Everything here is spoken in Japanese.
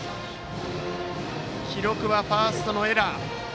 記録はファーストのエラー。